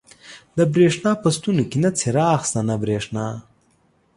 د برېښنا په ستنو کې نه څراغ شته، نه برېښنا.